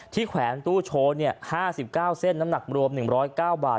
ที่แขวนตู้โช๊ตเนี่ยห้าสิบเก้าเส้นน้ำรวมหนึ่งร้อยเก้าบาท